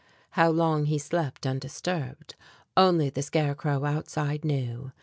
How long he slept undisturbed, only the scarecrow outside knew.